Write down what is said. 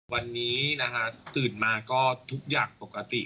วันนี้นะคะตื่นมาก็ทุกอย่างปกติ